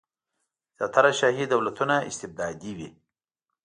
زیاتره شاهي دولتونه استبدادي وي.